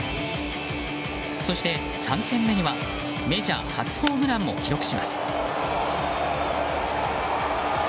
そして、３戦目にはメジャー初ホームランも記録します。